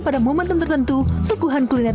pada momentum tertentu sukuhan kuliner